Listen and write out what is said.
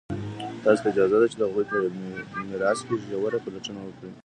تاسو ته اجازه ده چې د هغوی په علمي میراث کې ژوره پلټنه وکړئ.